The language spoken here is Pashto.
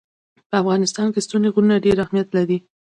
په افغانستان کې ستوني غرونه ډېر اهمیت لري.